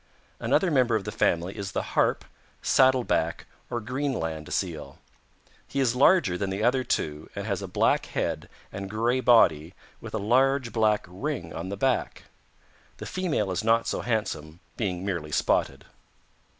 "Another member of the family is the Harp, Saddle back or Greenland Seal. He is larger than the other two and has a black head and gray body with a large black ring on the back. The female is not so handsome, being merely spotted.